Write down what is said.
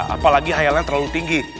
apalagi hayalnya terlalu tinggi